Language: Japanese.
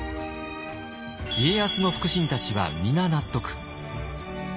家康の腹心たちは皆納得。